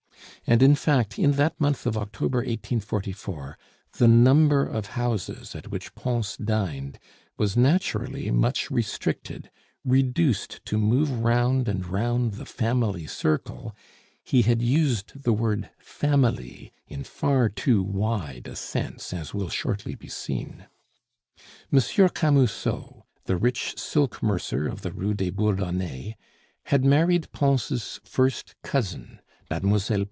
And, in fact, in that month of October 1844, the number of houses at which Pons dined was naturally much restricted; reduced to move round and round the family circle, he had used the word family in far too wide a sense, as will shortly be seen. M. Camusot, the rich silk mercer of the Rue des Bourdonnais, had married Pons' first cousin, Mlle.